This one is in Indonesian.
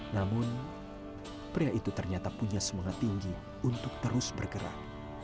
namun pria itu ternyata punya semangat tinggi untuk terus bergerak